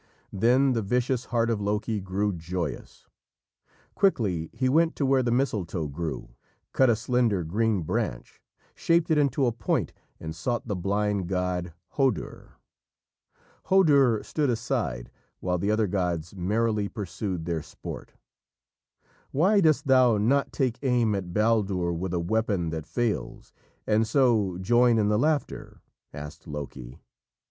Then the vicious heart of Loki grew joyous. Quickly he went to where the mistletoe grew, cut a slender green branch, shaped it into a point, and sought the blind god Hodur. Hodur stood aside, while the other gods merrily pursued their sport. "Why dost thou not take aim at Baldur with a weapon that fails and so join in the laughter?" asked Loki.